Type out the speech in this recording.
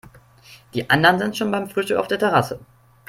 Die anderen sind schon beim Frühstück auf der Terrasse.